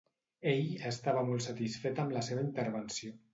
Ell estava molt satisfet amb la seva intervenció.